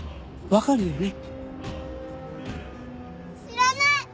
わかるよね！？